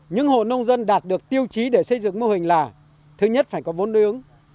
những hộ nông dân đạt được tiêu chí để xây dựng mô hình là thứ nhất phải có vốn đối ứng